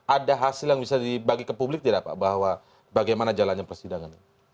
ada hasil yang bisa dibagi ke publik tidak pak bahwa bagaimana jalannya persidangan